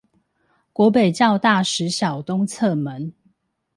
國北教大實小東側門